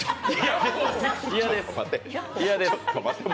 嫌です。